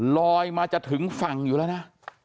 ลอยมาจะถึงฝั่งอยู่แล้วนะ